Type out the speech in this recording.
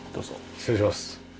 失礼します。